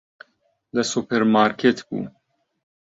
لە سوپەرمارکێت بوو.